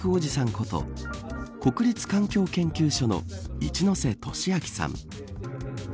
こと国立環境研究所の一ノ瀬俊明さん。